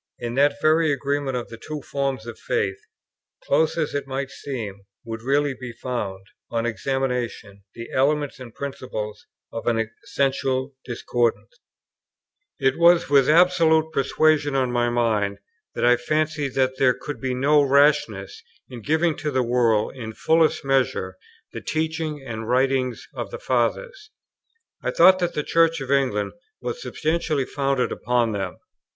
In that very agreement of the two forms of faith, close as it might seem, would really be found, on examination, the elements and principles of an essential discordance. It was with this absolute persuasion on my mind that I fancied that there could be no rashness in giving to the world in fullest measure the teaching and the writings of the Fathers. I thought that the Church of England was substantially founded upon them.